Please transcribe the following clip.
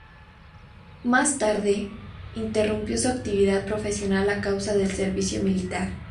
Más tarde, interrumpió su actividad profesional a causa del servicio militar.